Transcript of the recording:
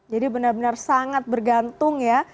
jadi benar benar sangat bergantung ya